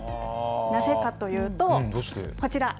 なぜかというと、こちら。